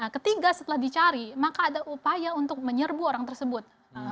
ketiga setelah dicari maka ada upaya untuk menyerbu orang tersebut